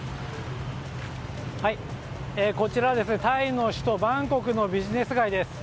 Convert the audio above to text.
こちらはタイの首都バンコクのビジネス街です。